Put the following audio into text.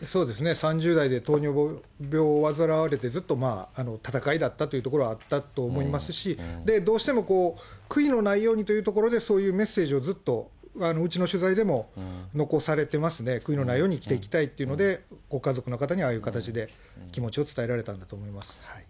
３０代で糖尿病を患われて、ずっと闘いだったというところはあったと思いますし、どうしても悔いのないようにというところで、そういうメッセージをずっとうちの取材でも残されてますね、悔いのないように生きていきたいっていうので、ご家族の方にああいう形で気持ちを伝えられたんだと思います。